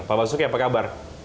bapak basuki apa kabar